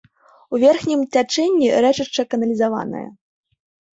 У верхнім цячэнні рэчышча каналізаванае.